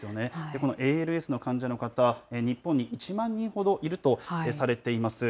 このＡＬＳの患者の方、日本に１万人ほどいるとされています。